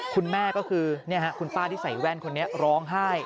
คุณแม่ก็คือคุณป้าที่ใส่แว่นคนนี้ร้องไห้